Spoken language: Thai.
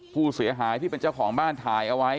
ผู้เสียหายที่เป็นเจ้าของบ้านถ่ายเอาไว้